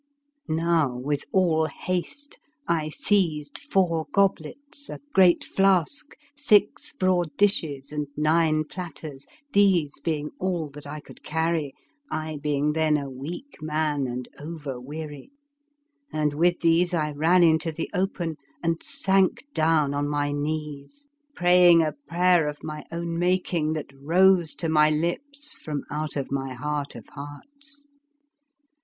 Now, with all haste I seized four goblets, a great flask, six broad dishes, and nine plat ters, these being all that I could carry, I being then a weak man and over weary; and with these I ran into the open and sank down on my knees, praying a prayer of my own making that rose to my lips from out my heart of hearts.